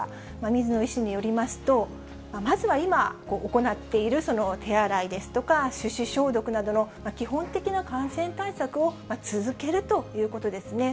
水野医師によりますと、まずは今、行っている手洗いですとか、手指消毒などの基本的な感染対策を続けるということですね。